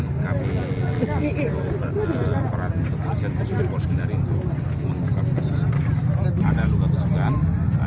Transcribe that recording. berikan kami peran untuk polisi yang diselidiki untuk mengungkapkan sesuatu